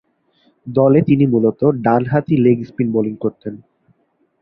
দলে তিনি মূলতঃ ডানহাতি লেগ স্পিন বোলিং করতেন।